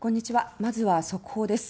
まずは速報です。